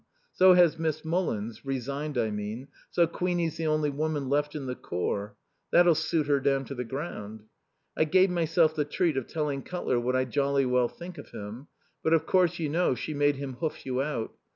So has Miss Mullins : resigned I mean so Queenie's the only woman left in the Corps. That'll suit her down to the ground. I gave myself the treat of telling Cutler what I jolly well think of him. But of course you know she made him hoof you out.